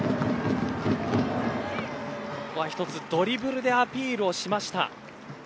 ここは１つドリブルでアピールをしました。